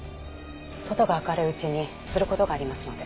外が明るいうちにする事がありますので。